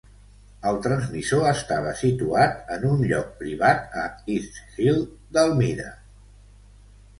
El transmissor estava situat en un lloc privat a East Hill d'Elmira.